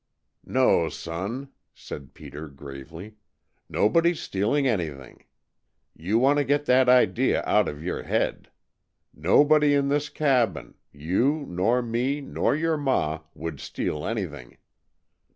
"No, son," said Peter gravely. "Nobody's stealing anything. You want to get that idea out of your head. Nobody in this cabin you, nor me, nor your ma, would steal anything.